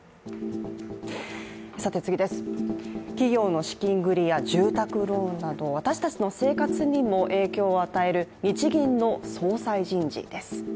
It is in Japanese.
企業の資金繰りや住宅ローンなど、私たちの生活にも影響を与える日銀の総裁人事です。